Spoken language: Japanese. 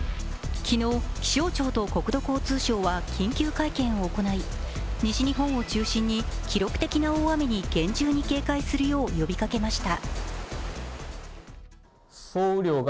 昨日、気象庁と国土交通省は緊急会見を行い、西日本を中心に記録的な大雨に厳重に警戒するよう呼びかけました。